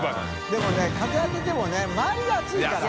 任發風あててもね周りが暑いから。